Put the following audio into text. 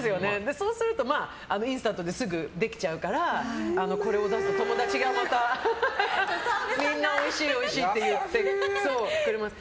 そうすると、インスタントですぐできちゃうからこれを出すと友達がまたみんなおいしいおいしいって言ってくれます。